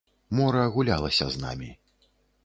Мора гулялася з намі.